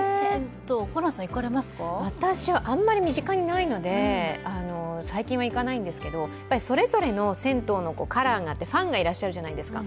私はあまり身近にないので、最近は行かないんですけど、それぞれの銭湯のカラーがあってファンがいらっしゃるじゃないですか。